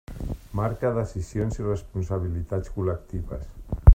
Marca decisions i responsabilitats col·lectives.